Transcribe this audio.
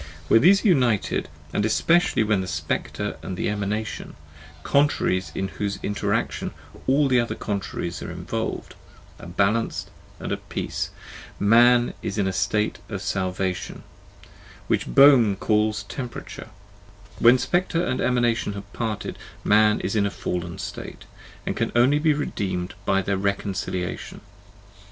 When these are united, and especially when the Spectre and the Emanation, contraries in whose inter action all other contraries are involved, are balanced and at peace, Man is in the state of salvation, which Boehme called temperature ; when Spectre and Emanation have parted, Man is in a fallen state, and can only be redeemed by their reconciliation.